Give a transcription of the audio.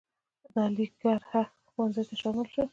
د علیګړهه ښوونځي ته شامل شو.